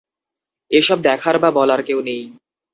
এসব দেখার বা বলার কেউ নেই।